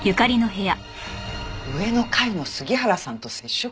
上の階の杉原さんと接触した？